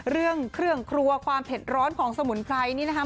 เรื่องเครื่องครัวความเผ็ดร้อนของสมุนไพรนี่นะคะ